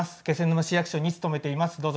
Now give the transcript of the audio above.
気仙沼市役所に勤めています。